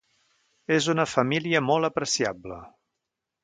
És una família molt apreciable.